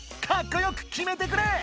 かっこよくきめてくれ！